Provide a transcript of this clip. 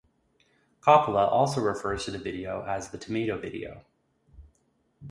Coppola also refers to the video as the "tomato video".